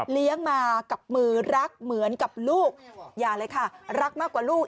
มากับมือรักเหมือนกับลูกอย่าเลยค่ะรักมากกว่าลูก